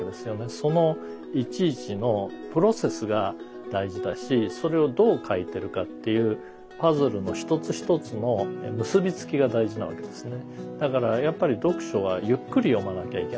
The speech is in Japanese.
そのいちいちのプロセスが大事だしそれをどう書いてるかっていうパズルの一つ一つの結び付きが大事なわけですね。